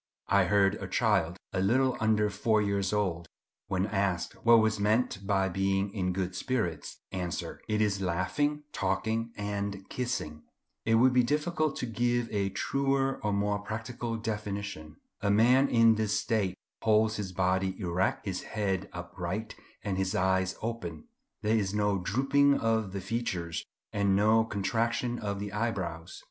I heard a child, a little under four years old, when asked what was meant by being in good spirits, answer, "It is laughing, talking, and kissing." It would be difficult to give a truer and more practical definition. A man in this state holds his body erect, his head upright, and his eyes open. There is no drooping of the features, and no contraction of the eyebrows.